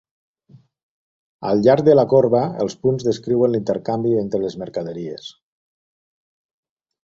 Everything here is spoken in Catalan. Al llarg de la corba els punts descriuen l'intercanvi entre les mercaderies.